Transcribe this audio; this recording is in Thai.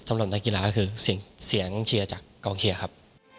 สำหรับนักกีฬาก็คือเสียงเชียร์จากกองเชียร์ครับ